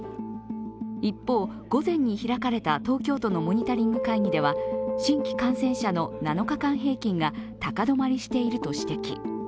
一方、午前に開かれた東京都のモニタリング会議では新規感染者の７日間平均が高止まりしていると指摘。